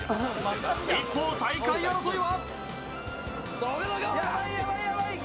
一方、最下位争いは？